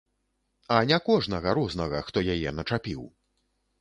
А не кожнага рознага, хто яе начапіў!